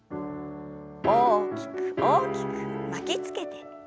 大きく大きく巻きつけて。